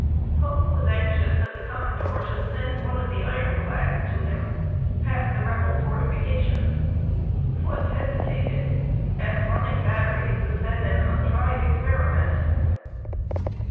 Pope was anxious that the commodore should send one of the iron clads to him, past the Rebel fortifications. Foote hesitated, as running batteries was then an untried experiment.